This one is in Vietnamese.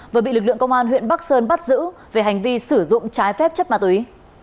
vừa bị lực lượng công an huyện bắc sơn bắt giữ về hành vi sử dụng trái phép chất ma túy